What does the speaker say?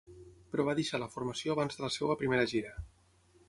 Però va deixar la formació abans de la seva primera gira.